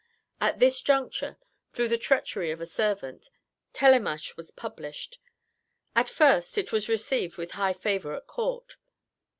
At this juncture, through the treachery of a servant, Télémache was published. At first it was received with high favour at Court.